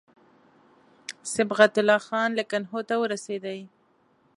صبغت الله خان لکنهو ته ورسېدی.